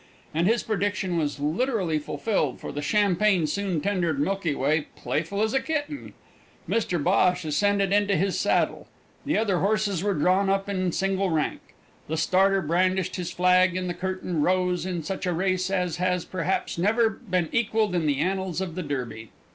And his prediction was literally fulfilled, for the champagne soon rendered Milky Way playful as a kitten. Mr Bhosh ascended into his saddle; the other horses were drawn up in single rank; the starter brandished his flag and the curtain rose on such a race as has, perhaps, never been equalled in the annals of the Derby.